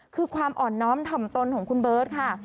คือความอ่อนน้อมถ่อมตนของคุณเบิร์ตค่ะ